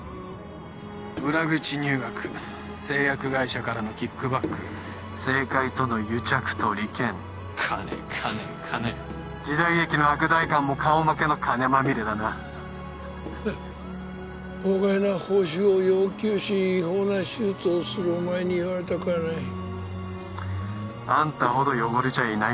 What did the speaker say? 裏口入学製薬会社からのキックバック政界との癒着と利権金金金時代劇の悪代官も顔負けの金まみれだなふん法外な報酬を要求し違法な手術をするお前に言われたくはないあんたほど汚れちゃいない